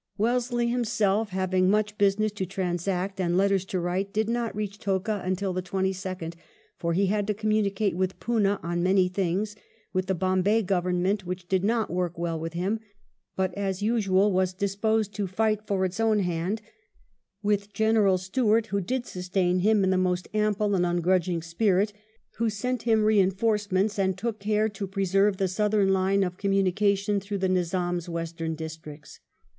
Wellesley him 72 WELLINGTON self, having much business to transact and letters to write, did not reach Toka until the 22nd, for he had to communicate with Poena on many things; with the Bombay Government, which did not work well with him, but, as usual, was disposed to fight for its own hand ; with General Stuart, who did sustain him in the most ample and ungrudging spirit^ who sent him rein forcements and took care to preserve the southern line of communication through the Nizam's western districts.